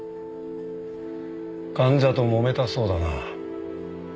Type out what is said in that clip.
患者ともめたそうだな。